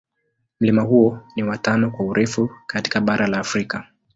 Mlima huo ni wa tano kwa urefu katika bara la Afrika.